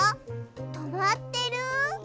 とまってる？